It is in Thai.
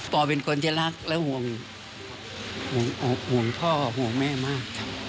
เป็นคนที่รักและห่วงพ่อห่วงแม่มากครับ